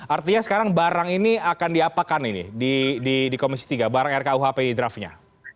artinya sekarang barang ini akan diapakan ini di komisi tiga barang rkuhp draftnya